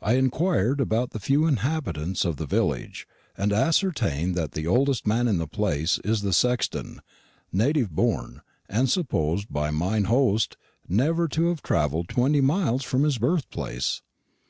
I inquired about the few inhabitants of the village, and ascertained that the oldest man in the place is the sexton, native born, and supposed by mine host never to have travelled twenty miles from his birthplace.